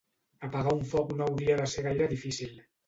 Apagar un foc no hauria de ser gaire difícil.